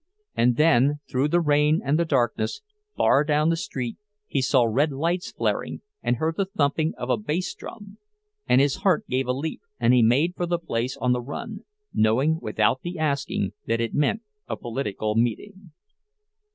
And then, through the rain and the darkness, far down the street he saw red lights flaring and heard the thumping of a bass drum; and his heart gave a leap, and he made for the place on the run—knowing without the asking that it meant a political meeting.